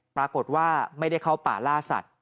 ปรากฏว่าไม่ได้เข้าป่าล่าสัตว